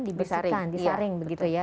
dibesarkan disaring begitu ya